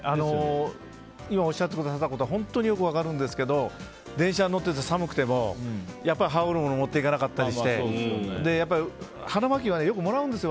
今おっしゃってくださったこと本当によく分かるんですけど電車に乗ってて寒くても羽織るもの持っていかなかったりして腹巻きはよくもらうんですよ